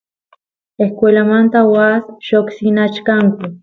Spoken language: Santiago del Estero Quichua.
escuelamanta waas lloqsinachkanku